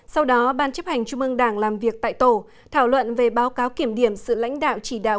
sau đó ban chấp hành trung ương đảng làm việc tại tổ thảo luận về báo cáo kiểm điểm sự lãnh đạo chỉ đạo